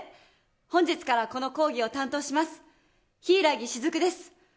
本日からこの講義を担当します柊木雫です。